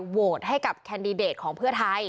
โหวตให้กับแคนดิเดตของเพื่อไทย